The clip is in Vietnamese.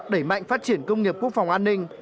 đẩy mạnh phát triển công nghiệp quốc phòng an ninh